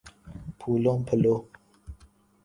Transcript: پھولو پھلو